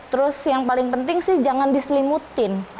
terus yang paling penting sih jangan diselimutin